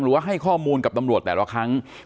ว่าให้ข้อมูลกับตำรวจแต่ละครั้ง